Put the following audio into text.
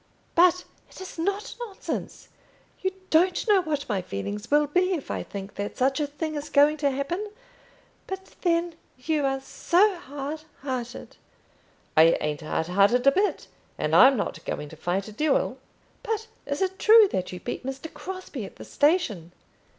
"But it is not nonsense. You don't know what my feelings will be, if I think that such a thing is going to happen. But then you are so hard hearted!" "I ain't hard hearted a bit, and I'm not going to fight a duel." "But is it true that you beat Mr. Crosbie at the station?"